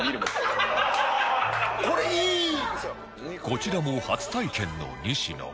こちらも初体験の西野